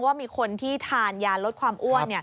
ว่ามีคนที่ทานยาลดความอ้วน